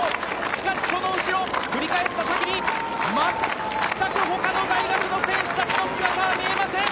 しかし、その後ろ振り返った先に全くほかの大学の選手たちの姿は見えません。